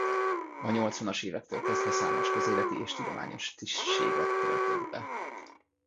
A nyolcvanas évektől kezdve számos közéleti és tudományos tisztséget töltött be.